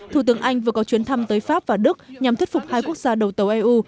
thủ tướng anh vừa có chuyến thăm tới pháp và đức nhằm thuyết phục hai quốc gia đầu tàu eu